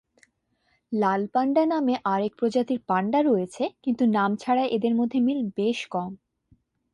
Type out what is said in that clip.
লাল panda নামে আরেক প্রজাতির পান্ডা রয়েছে কিন্তু নাম ছাড়া এদের মধ্যে মিল বেশ কম।